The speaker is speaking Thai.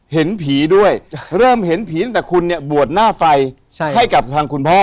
เห็นผีด้วยเริ่มเห็นผีตั้งแต่คุณเนี่ยบวชหน้าไฟให้กับทางคุณพ่อ